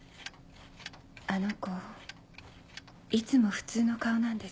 あの子いつも普通の顔なんです。